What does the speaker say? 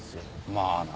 まあな。